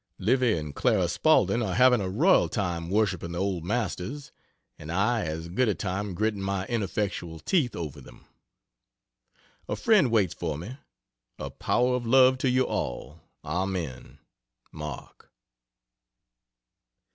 Livy and Clara Spaulding are having a royal time worshiping the old Masters, and I as good a time gritting my ineffectual teeth over them. A friend waits for me. A power of love to you all. Amen. MARK.